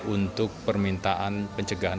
untuk permintaan pencegahan